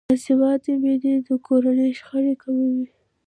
باسواده میندې د کورنۍ شخړې کموي.